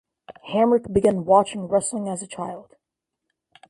Hamrick began watching wrestling as a child.